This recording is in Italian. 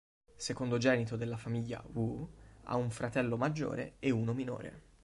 Secondogenito della famiglia Wu, ha un fratello maggiore e uno minore.